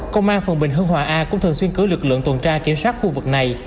công an phường bình hưng hòa a cũng thường xuyên cử lực lượng tuần tra kiểm soát khu vực này